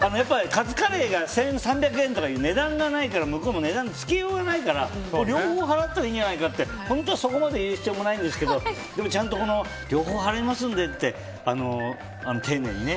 カツカレーが１３００円とか値段がないから向こうも値段をつけようがないから両方払ったらいいんじゃないかって本当はそこまで言う必要もないんですけど両方払いますのでって丁寧にね。